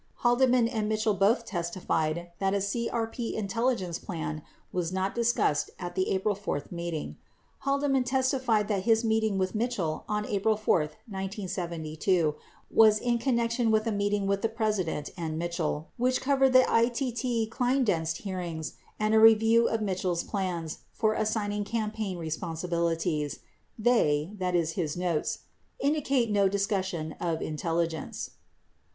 Haldeman and Mitchell both testified that a CRP intelligence plan was not discussed at the April 4 meeting. Hal deman testified that his meeting with Mitchell on April 4, 1972, was in connection with a meeting with the President and Mitchell which "cov ered the ITT Kleindienst hearings and a review of Mitchell's plans for assigning campaign responsibilities. They [his notes] indicate no dis cussion of intelligence."